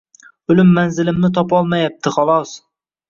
Oʻlim manzilimni topolmayapti, xolos.